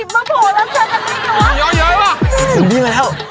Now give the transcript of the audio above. มันอยู่ที่ไหนแล้ว